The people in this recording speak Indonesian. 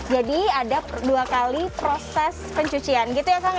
jadi ada dua kali proses pencucian gitu ya kang ya